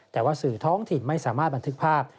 แต่ว่าสื่อท้องถิ่นไม่สามารถบันทึกภาพ